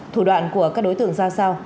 thủ đoạn của các đối tượng ra sao